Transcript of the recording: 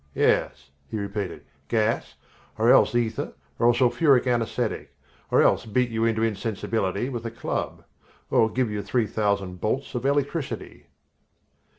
"Yes," he repeated, "gas, or else ether or a sulphuric anesthetic, or else beat you into insensibility with a club, or give you three thousand bolts of electricity."